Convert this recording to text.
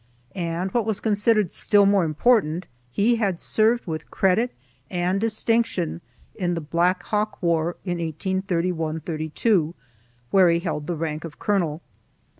And, what was considered still more important, he had served with credit and distinction in the "Black Hawk War" in 1831 2, where he held the rank of Colonel.